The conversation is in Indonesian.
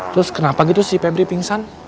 terus kenapa gitu si pebri pingsan